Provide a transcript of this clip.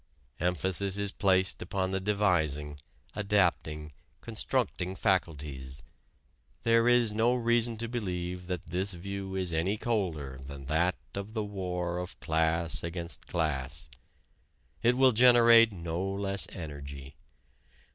Emphasis is placed upon the devising, adapting, constructing faculties. There is no reason to believe that this view is any colder than that of the war of class against class. It will generate no less energy.